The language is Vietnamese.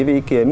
với ý kiến